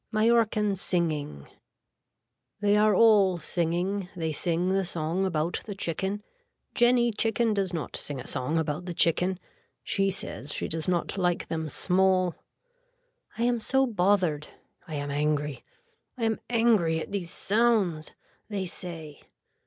Mallorcan singing. They are all singing they sing the song about the chicken. Jenny Chicken does not sing a song about the chicken. She says she does not like them small. I am so bothered. I am angry. I am angry at these sounds. They say.